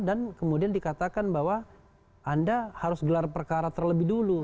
dan kemudian dikatakan bahwa anda harus gelar perkara terlebih dulu